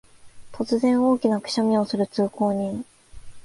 突然、大きなくしゃみをする通行人